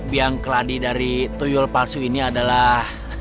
biang ke ladinya dari tuyul pasu ini adalah